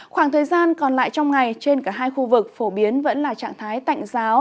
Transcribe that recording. khoảng thời gian còn lại trong ngày trên cả hai khu vực phổ biến vẫn là trạng thái tạnh giáo